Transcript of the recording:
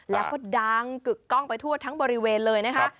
แล้วก็ดังกึกกล้องไปทั่วทั้งบริเวณเลยนะคะ